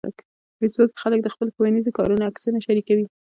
په فېسبوک کې خلک د خپلو ښوونیزو کارونو عکسونه شریکوي